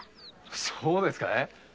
そうですかい？